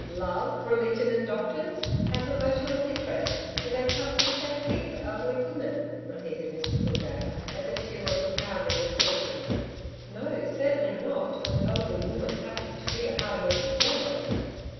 'Love, religion and doctors! As emotional interests, do they come to the same thing for elderly women?' repeated Mrs Gildea, as if she were propounding a syllogism. 'No, certainly not, when the elderly woman happens to be a hard working journalist.'